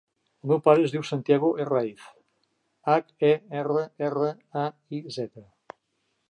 El meu pare es diu Santiago Herraiz: hac, e, erra, erra, a, i, zeta.